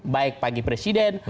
baik pakai presiden